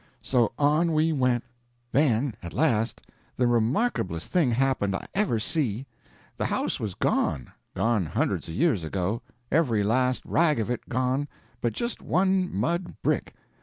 So on we went. Then at last the remarkablest thing happened I ever see. The house was gone—gone hundreds of years ago—every last rag of it gone but just one mud brick.